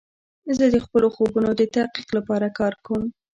زه د خپلو خوبونو د تحقق لپاره کار کوم.